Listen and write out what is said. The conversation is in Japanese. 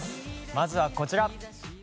まずは、こちら。